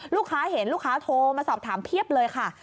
ลูกค้าเห็นลูกค้าโทรมาสอบถามเพียบเลยค่ะ